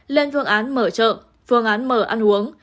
lên phương án mở chợ phương án mở ăn uống